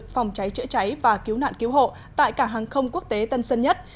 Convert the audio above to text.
phòng cháy chữa cháy và cứu nạn cứu hộ tại cảng hàng không quốc tế tân sơn nhất